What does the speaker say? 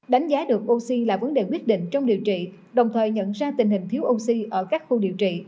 đánh giá được oxy là vấn đề quyết định trong điều trị đồng thời nhận ra tình hình thiếu oxy ở các khu điều trị